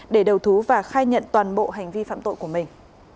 để đầu thú và khai nhận toàn bộ hành vi phạm tội của mình